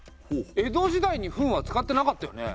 江戸時代に「分」は使ってなかったよね？